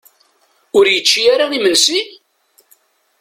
Ur yečči ara imensi?